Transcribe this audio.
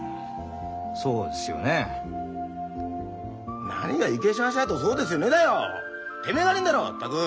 そうですよねえ。何がいけしゃあしゃあと「そうですよね」だよ！てめえが悪いんだろったく。